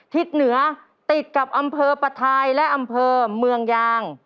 ทิศเหนือติดกับอำเภอประทายและอำเภอเมืองยาง